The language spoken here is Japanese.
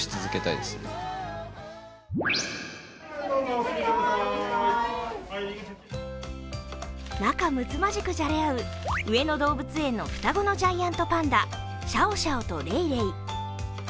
今後は仲むつまじくじゃれ合う上野動物園の双子のジャイアントパンダシャオシャオとレイレイ。